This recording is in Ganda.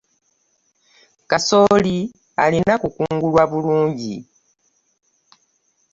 Kasooli alina okukungulwa bulungi.